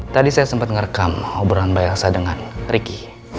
tadi saya sempat ngerekam obrolan mbak elsa dengan riki